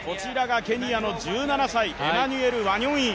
ケニアの１７歳、エマニュエル・ワニョンイ。